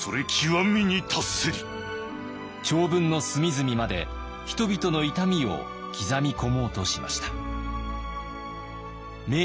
長文の隅々まで人々の痛みを刻み込もうとしました。